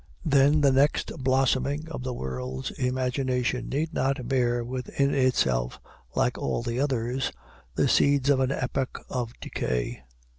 Then the next blossoming of the world's imagination need not bear within itself, like all the others, the seeds of an epoch of decay.